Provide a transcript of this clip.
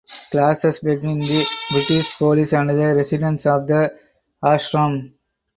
Clashes between the British police and the residents of the ashram.